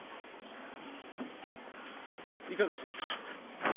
いかがしました